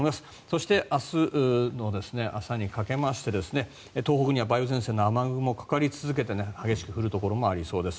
そして、明日の朝にかけまして東北には梅雨前線の雨雲がかかり続けて激しく降るところもありそうです。